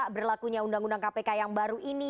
berlakunya undang undang kpk yang baru ini